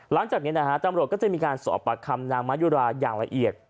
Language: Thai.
หลังจากนี้นะฮะตำรวจก็จะมีการสอบปากคำนางมายุราอย่างละเอียด